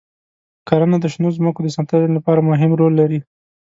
کرنه د شنو ځمکو د ساتنې لپاره مهم رول لري.